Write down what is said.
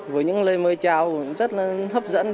với những lời mời trao rất là hấp dẫn